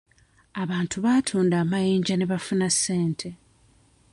Abantu baatunda amayinja ne bafuna ssente.